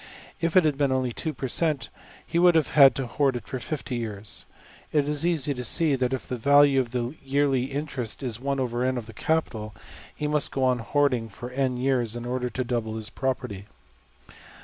If it had been only $2$~per~cent., he would have had to hoard for $50$~years. It is easy to see that if the value of the yearly interest is $\dfrac{n}$~of the capital, he must go on hoarding for $n$~years in order to double his property.